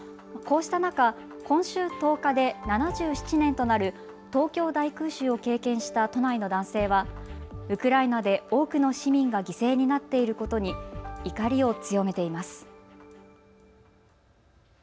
こうした中、今週１０日で７７年となる東京大空襲を経験した都内の男性はウクライナで多くの市民が犠牲になっていることに怒りを強めています。